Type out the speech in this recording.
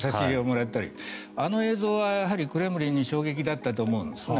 あの映像はクレムリンに衝撃だったと思うんですよね。